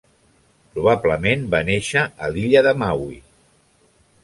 Probablement va néixer a l'illa de Maui.